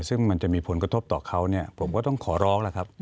ซึ่งมันจะมีผลกระทบต่อเขาเนี่ยผมก็ต้องขอร้องล่ะครับ